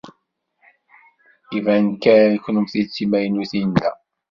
Iban kan kennemti d timaynutin da.